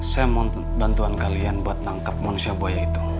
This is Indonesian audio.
saya mau bantuan kalian buat nangkap manusia buaya itu